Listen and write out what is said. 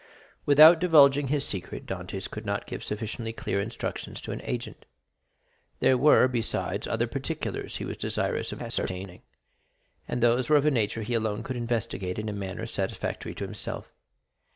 Without divulging his secret, Dantès could not give sufficiently clear instructions to an agent. There were, besides, other particulars he was desirous of ascertaining, and those were of a nature he alone could investigate in a manner satisfactory to himself.